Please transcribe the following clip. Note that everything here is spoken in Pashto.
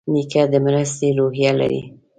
نیکه د مرستې روحیه لري.